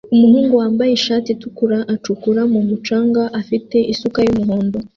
Umuhungu wambaye ishati itukura acukura mu mucanga afite isuka y'umuhondo